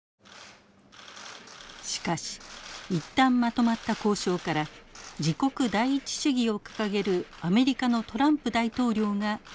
しかし一旦まとまった交渉から自国第一主義を掲げるアメリカのトランプ大統領が離脱を表明。